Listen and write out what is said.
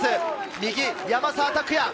右、山沢拓也。